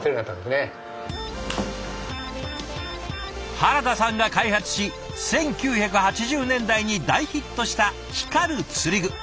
原田さんが開発し１９８０年代に大ヒットした光る釣り具。